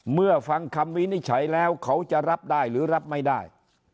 เมื่อฟังคำวินิจฉัยแล้วเขาจะรับได้หรือรับไม่ได้